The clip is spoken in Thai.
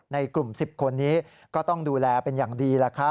ในกลุ่ม๑๐คนนี้ก็ต้องดูแลเป็นอย่างดี